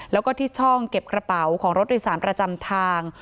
แล้วก็ที่ช่องเก็บกระเป๋าของรถโดยสารประจำทาง